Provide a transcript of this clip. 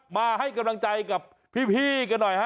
มาให้กำลังใจกับพี่กันหน่อยฮะ